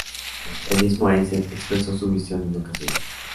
El mismo Einstein expreso su visión en ocasiones.